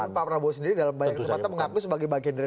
pak prabowo sendiri dalam banyak kesempatan mengaku sebagai bagian dari